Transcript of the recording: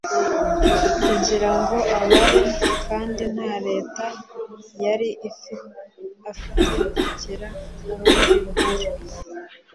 kugirango abare kandi nta leta yari afite kugira urundi ruhare